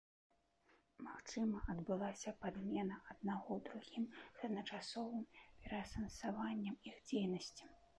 Магчыма, адбылася падмена аднаго другім з адначасовым пераасэнсаваннем іх дзейнасці.